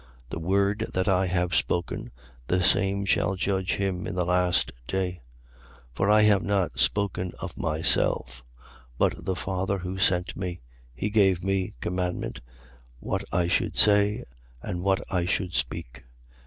The word that I have spoken, the same shall judge him in the last day. 12:49. For I have not spoken of myself: but the Father who sent me, he gave me commandment what I should say and what I should speak.